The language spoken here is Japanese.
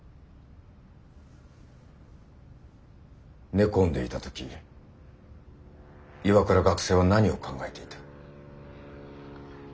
寝込んでいた時岩倉学生は何を考えていた？